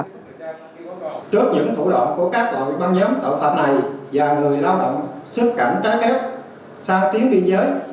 trước những thủ đoạn của các loại băng nhóm tội phạm này và người lao động xuất cảnh trái phép sang tuyến biên giới